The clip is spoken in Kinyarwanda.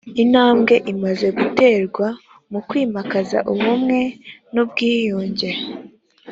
intambwe imaze guterwa mu kwimakaza ubumwe n’ubwiyunge